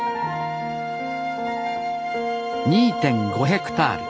２．５ヘクタール。